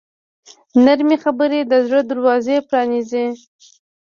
نرمې خبرې د زړه دروازې پرانیزي.